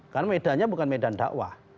karena medannya bukan medan dakwah